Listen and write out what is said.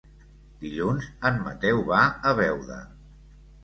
Dilluns en Mateu va a Beuda.